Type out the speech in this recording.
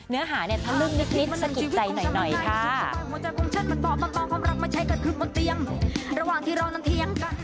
เนื้อหาเนี่ยทะลึ่งนิดสะกิดใจหน่อยค่ะ